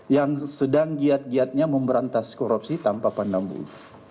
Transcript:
yang sedang giat giatnya memberantas korupsi tanpa pandang bulu